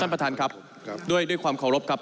ท่านประธานครับด้วยความขอบรับครับ